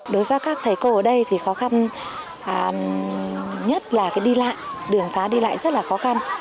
đối với các thầy cô ở đây thì khó khăn nhất là đi lại đường xá đi lại rất là khó khăn